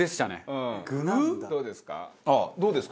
どうですか？